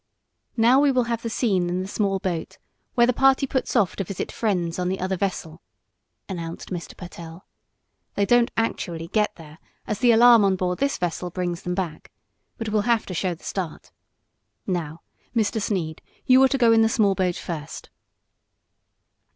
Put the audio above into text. "Now we will have the scene in the small boat, where the party puts off to visit friends on the other vessel," announced Mr. Pertell. "They don't actually get there, as the alarm on board this vessel brings them back. But we'll have to show the start. Now, Mr. Sneed, you are to go in the small boat first."